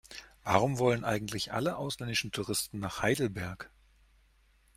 Warum wollen eigentlich alle ausländischen Touristen nach Heidelberg?